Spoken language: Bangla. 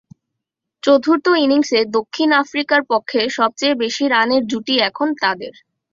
চতুর্থ ইনিংসে দক্ষিণ আফ্রিকার পক্ষে সবচেয়ে বেশি রানের জুটি এখন তাঁদের।